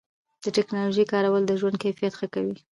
د ټکنالوژۍ کارول د ژوند کیفیت ښه کوي.